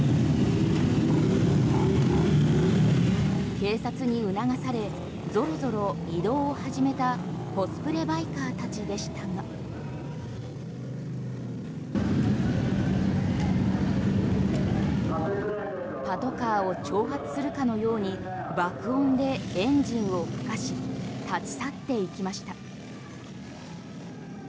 警察に促されぞろぞろ移動を始めたコスプレバイカーたちでしたがパトカーを挑発するかのように爆音でエンジンを吹かし、立ち去っていきました。